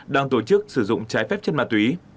đang tổ chức sử dụng trái phép chất ma túy